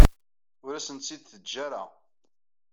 Ur asen-tt-id-teǧǧa ara.